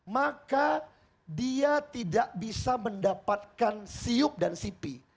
maka dia tidak bisa mendapatkan siup dan sipi